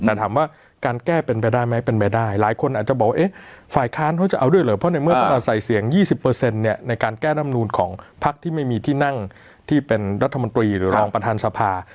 แต่ถามว่าการแก้เป็นไปได้ไหมเป็นไปได้หลายคนอาจจะบอกว่าฝ่ายค้านเขาจะเอาด้วยเหรอเพราะในเมื่อพวกเราใส่เสียง๒๐เนี่ยในการแก้ร่ำนูนของพักที่ไม่มีที่นั่งที่เป็นรัฐมนตรีหรือรองประธานสภา